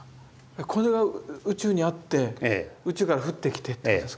これが宇宙にあって宇宙から降ってきてってことですか。